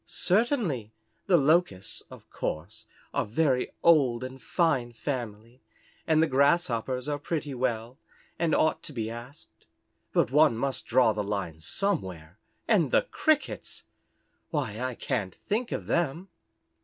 "Certainly. The Locusts, of course a very old and fine family, and the Grasshoppers are pretty well, and ought to be asked. But one must draw the line somewhere and the Crickets! Why, I can't think of them."